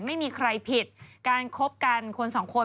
ไม่มีใครผิดการคบกันคนสองคน